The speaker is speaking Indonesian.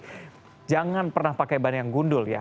jadi jangan pernah pakai ban yang gundul ya